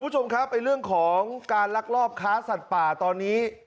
คุณผู้ชมครับเรื่องของการลักลอบค้าสัตว์ป่าตอนนี้